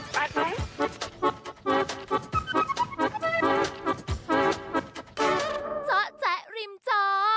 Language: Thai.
เจ้าแจ๊กริมจอ